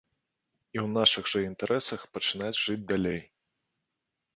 І ў нашых жа інтарэсах пачынаць жыць далей.